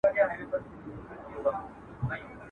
زموږ غاښو ته تيږي نه سي ټينگېدلاى.